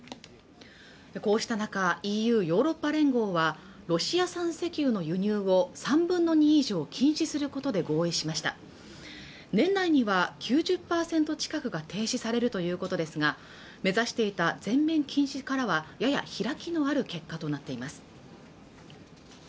こうした中ＥＵ＝ヨーロッパ連合はロシア産石油の輸入を３分の２以上を禁止することで合意しました年内には９０％近くが停止されるということですが目指していた全面禁止からはやや開きのある結果となっています